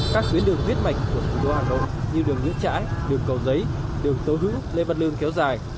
các tuyến đường viết mạch của thủ đô hà nội như đường nhữ trãi đường cầu giấy đường tâu hữu lê văn lương kéo dài